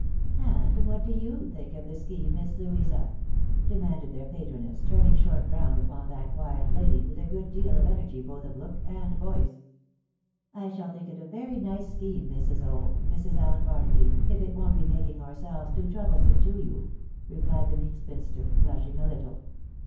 " And what do you think of the scheme, Miss Louisa ?" demanded their patroness, turning short round upon that quiet lady with a good deal of energy both of look and voice. " I shall think it a very nice scheme, Mrs. O— Mrs. Allen Bar naby, if it won't be making ourselves too troublesome to you," replied the meek spinster, blushing a little.